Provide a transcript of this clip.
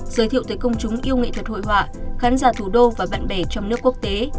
giới thiệu tới công chúng yêu nghệ thuật hội họa khán giả thủ đô và bạn bè trong nước quốc tế